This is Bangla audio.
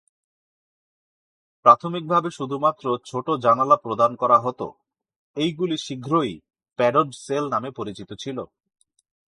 প্রাথমিকভাবে শুধুমাত্র ছোট জানালা প্রদান করা হত, এইগুলি শীঘ্রই "প্যাডড সেল" নামে পরিচিত ছিল।